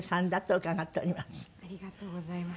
ありがとうございます。